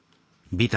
ビタ。